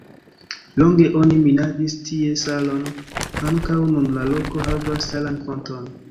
Longe oni minadis tie salon, ankaŭ nun la loko havas salan fonton.